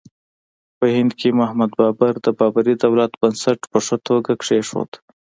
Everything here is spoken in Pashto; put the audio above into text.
په هند کې محمد بابر د بابري دولت بنسټ په ښه توګه کېښود.